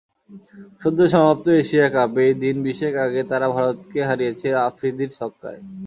সদ্য সমাপ্ত এশিয়া কাপেই দিন বিশেক আগে তাঁরা ভারতকে হারিয়েছে আফ্রিদির ছক্কায়।